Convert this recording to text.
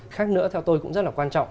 khác nữa theo tôi cũng rất là quan trọng